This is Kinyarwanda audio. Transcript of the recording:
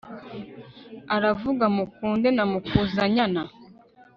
aravuga mukunde na mukuzanyana